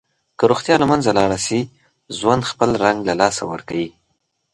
که روغتیا له منځه لاړه شي، ژوند خپل رنګ له لاسه ورکوي.